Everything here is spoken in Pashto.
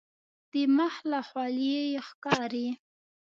د مخ له خولیې یې ښکاري.